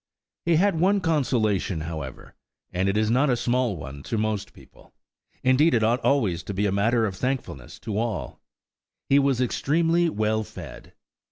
He had one consolation, however, and it is not a small one to most people–indeed it ought always to be a matter of thankfulness to all–he was extremely well fed.